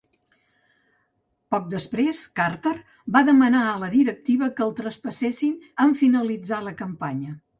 Poc després, Carter va demanar a la directiva que el traspassessin en finalitzar la campanya.